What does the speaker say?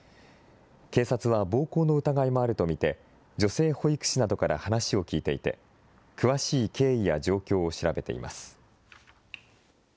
警察は暴行の疑いもあると見て、女性保育士などから話を聴いていて、詳しい経緯や状況を調べています。